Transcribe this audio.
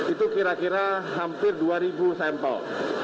itu kira kira hampir dua ribu sampel